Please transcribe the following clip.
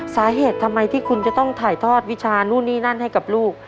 สาเหตุทำไมที่คุณจะต้องถ่ายทอดวิชานู่นนี่นั่นให้กับลูก